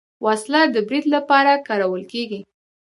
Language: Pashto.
وسله د برید لپاره کارول کېږي